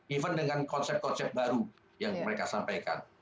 even dengan konsep konsep baru yang mereka sampaikan